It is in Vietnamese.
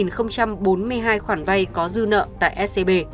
một bốn mươi hai khoản vay có dư nợ tại scb